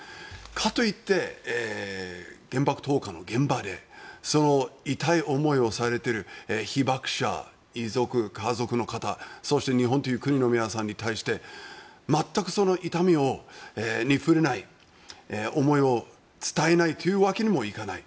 かといって、原爆投下の現場で痛い思いをされている被爆者、遺族、家族の方そして日本の国の皆さんに対して全く痛みに触れない思いを伝えないというわけにもいかない。